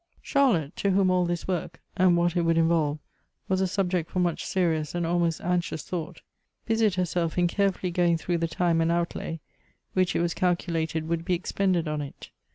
Charlotte, to whom all this work and what it would in volve was a subject for much serious and almost anxious thought, busied herself in carefully going through the time and outlay which it was calculated would be expended on it.